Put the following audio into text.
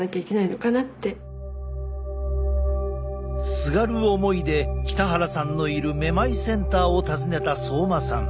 すがる思いで北原さんのいるめまいセンターを訪ねた相馬さん。